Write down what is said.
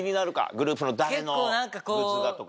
グループの誰のグッズがとか。